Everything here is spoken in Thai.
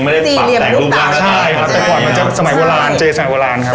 ใช่ครับแต่ก่อนมันจะสมัยโวลานเจสมัยโวลานครับ